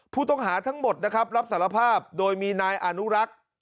ผู้ต้องหาทั้งหมดนะครับรับสารภาพโดยมีนายอนุรักษ์